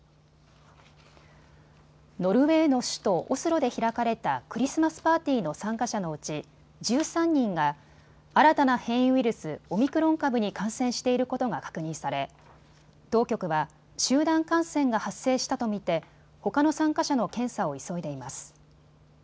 ノルウェーの首都オスロで開かれたクリスマスパーティーの参加者のうち１３人が新たな変異ウイルス、オミクロン株に感染していることが確認され当局は集団感染が発生したと見てほかの参加者の検査を急いでいます。